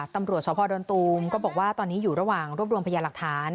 ตำรวจสพดอนตูมก็บอกว่าตอนนี้อยู่ระหว่างรวบรวมพยาหลักฐาน